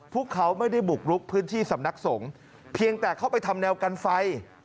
พวกเขาไม่ได้บุกลุกพื้นที่สำนักสงฆ์เพียงแต่เข้าไปทำแนวกันไฟ